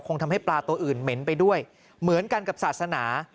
ทำให้ปลาตัวอื่นเหม็นไปด้วยเหมือนกันกับศาสนา